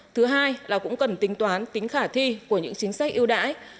thứ hai là cũng cần tính toán tính khả thi của những chính sách ưu đãi